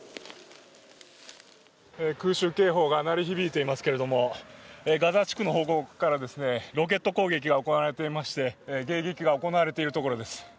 空襲警報が鳴り響いていますけれども、ガザ地区の方向からロケット攻撃が行われていまして迎撃が行われているところです。